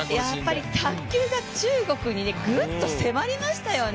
やっぱり卓球が中国にぐっと迫りましたよね。